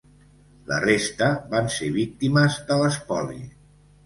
La resta van ser víctimes de l'espoli.